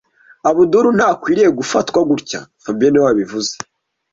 Abdul ntakwiriye gufatwa gutya fabien niwe wabivuze